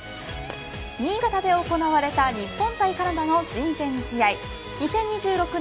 新潟で行われた日本対カナダの親善試合、２０２６年